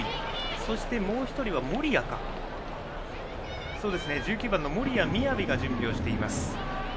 そして、もう１人は１９番の守屋都弥が準備をしていました。